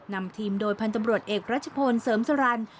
นำทีมโดยพันธุ์ตำรวจเอกรัชโภนเสริมสรรรค์